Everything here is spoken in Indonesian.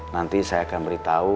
nanti saya akan beritahu